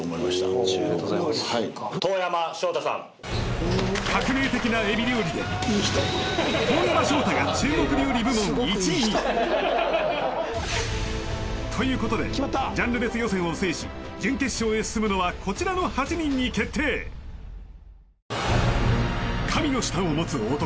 ありがとうございます當山翔太さん革命的なエビ料理で當山翔太が中国料理部門１位にということでジャンル別予選を制し準決勝へ進むのはこちらの８人に決定神の舌を持つ男